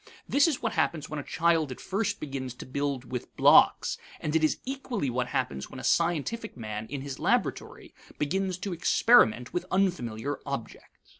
This is what happens when a child at first begins to build with blocks, and it is equally what happens when a scientific man in his laboratory begins to experiment with unfamiliar objects.